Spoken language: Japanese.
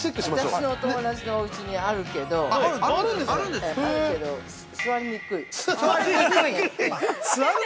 ◆私のお友達のおうちにあるけど座りにくい。